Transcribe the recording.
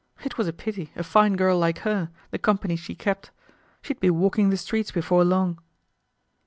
It was a pity, a fine girl like her, the company she kept. She'd be walking the streets before long.